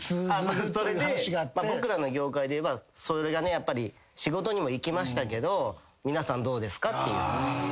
僕らの業界で言えばそれが仕事にも生きましたけど皆さんどうですか？っていう話です。